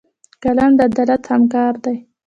قلم د عدالت همکار دی